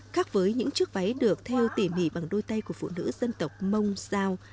khác với những chiếc váy được theo tỉ mỉ bằng đôi tay của phụ nữ dân tộc mông giao